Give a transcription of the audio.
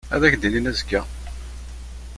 Ad ak-d-inin azekka.